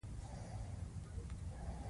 پیاز د روغه غذایي برنامه برخه ده